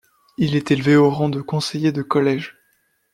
Il est élevé au rang de conseiller de collège.